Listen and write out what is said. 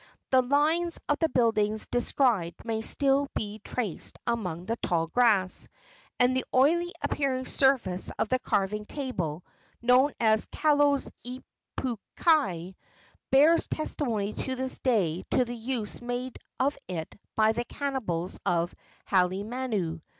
The lines of the buildings described may still be traced among the tall grass, and the oily appearing surface of the carving table, known as "Kalo's ipukai" bears testimony to this day to the use made of it by the cannibals of Halemanu.